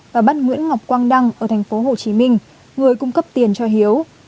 và bắt nguyễn ngọc quang đăng ở thành phố hồ chí minh người cung cấp tiền cho hiếu